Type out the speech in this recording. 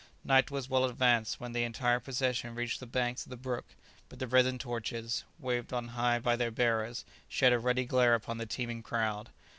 Night was well advanced when the entire procession reached the banks of the brook, but the resin torches, waved on high by their bearers, shed a ruddy glare upon the teeming crowd.